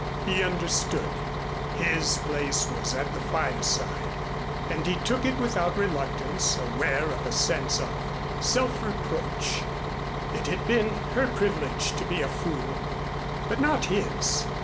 He understood. His place was at the fireside and he took it without reluctance, aware of a sense of self reproach. It had been her privilege to be a fool but not his.